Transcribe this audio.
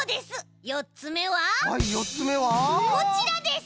こちらです！